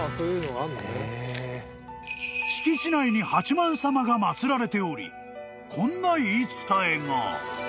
［敷地内に八幡さまがまつられておりこんな言い伝えが］